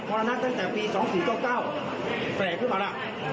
มรณนักตั้งแต่ปี๒๔๙๙แปลกรึเปล่าล่ะ